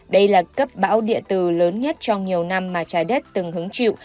đây là cấp bão địa từ lớn nhất trong nhiều năm mà trái đất từng hứng chịu